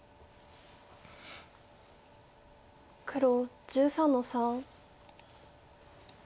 黒１３の三。